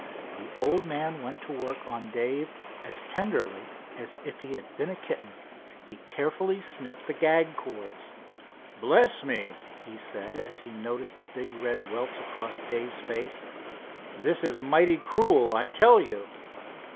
The old man went to work on Dave as tenderly as if he had been a kitten. He carefully snipped the gag cords. "Bless me!" he said, as he noticed the big red welts across Dave's face. "This is mighty cruel I tell you.